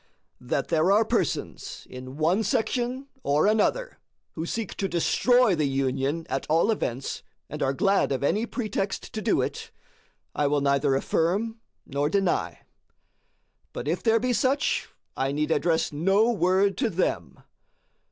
That there are persons in one section or another who seek to destroy the Union at all events, and are glad of any pretext to do it, I will neither affirm nor deny; but if there be such, I need address no word to them.